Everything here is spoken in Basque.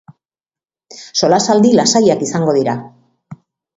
Solasaldi lasaiak izango dira.